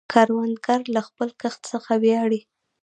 کروندګر له خپل کښت څخه ویاړي